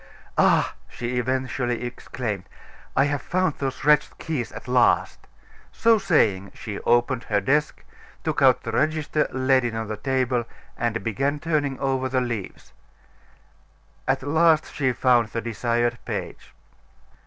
"Ah!" she eventually exclaimed, "I have found those wretched keys at last." So saying, she opened her desk, took out the register, laid it on the table, and began turning over the leaves. At last she found the desired page.